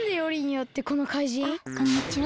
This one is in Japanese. あっこんにちは